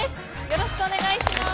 よろしくお願いします。